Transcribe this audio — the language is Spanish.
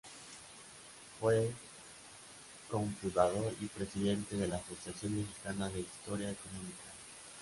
Fue cofundador y presidente de la Asociación Mexicana de Historia Económica.